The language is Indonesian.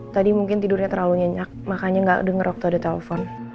tadi mungkin tidurnya terlalu nyenyak makanya nggak denger waktu ada telepon